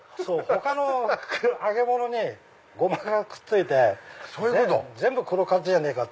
他の揚げものにごまがくっついて全部黒カツじゃねえか！